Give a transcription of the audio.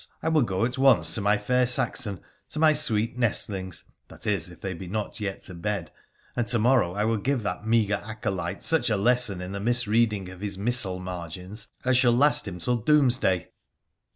I will go at once to my fair Saxon, to my sweet nestlings — that is, if they be not yet to bed — and to morrow I will give that meagre acolyte such a lesson in the misreading of his missal margins as shall last him till Doomsday.